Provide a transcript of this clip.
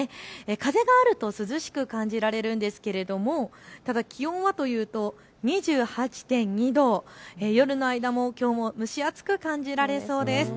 風があると涼しく感じられるんですけれどもただ気温はというと２８．２度、夜の間もきょうも蒸し暑く感じられそうです。